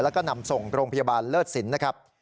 แล้วก็นำส่งโรงพยาบาลเลิศศิลป์